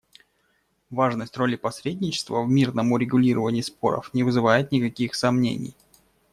Важность роли посредничества в мирном урегулировании споров не вызывает никаких сомнений.